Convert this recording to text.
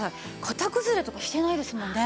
形崩れとかしてないですもんね。